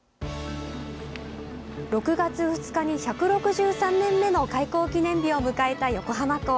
６月２日に１６３年目の開港記念日を迎えた横浜港。